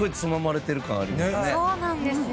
そうなんですよ。